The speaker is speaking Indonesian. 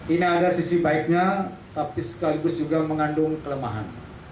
ini ada sisi baiknya tapi sekaligus juga mengandung kelemahan